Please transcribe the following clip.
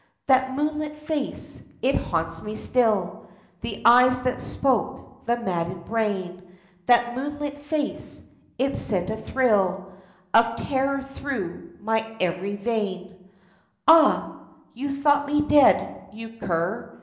That moonlit face ! It haunts me still ! The eyes that spoke the maddened brain ! That moonlit face ! It sent a thrill Of terror through my every vein ! THE FISHERMAN'S STORY (((( Aha! You thought me dead, you cur